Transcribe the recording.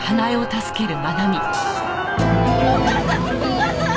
お母さん！